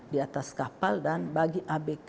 di atas kapal dan bagi abk